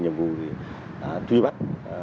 nhiệm vụ truy bắt